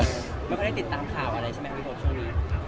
ไม่ค่อยได้ติดตามข่าวอะไรใช่ไหม